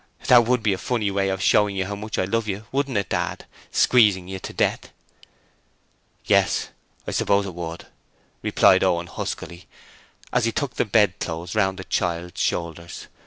'That WOULD be a funny way of showing you how much I love you, wouldn't it, Dad? Squeezing you to death!' 'Yes, I suppose it would,' replied Owen huskily, as he tucked the bedclothes round the child's shoulders.